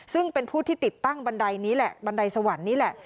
ซึ่งเป็นผู้ที่ติดตั้งบันไดนี้แหละบันไดสวรรค์นี่แหละ